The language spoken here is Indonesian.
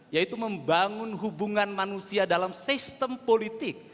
yaitu membangun hubungan manusia dalam sistem politik